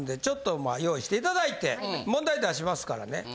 ちょっと用意していただいて問題出しますからね。